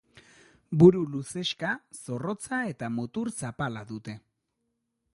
Buru luzexka zorrotza eta mutur zapala dute.